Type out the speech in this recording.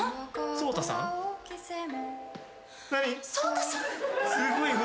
草太さん？